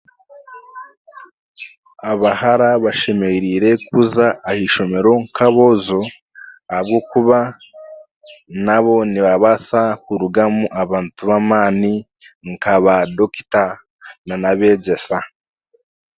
Abahara bashamereire kuza aha ishomero nk'aboojo ahabwokuba nabo nibabaasa kurugamu abantu bamaani nka baadokita nan'abeegyesa